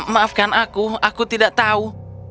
maafkan aku aku tidak tahu